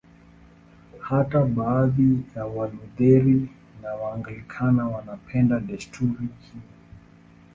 Hata baadhi ya Walutheri na Waanglikana wanapenda desturi hiyo.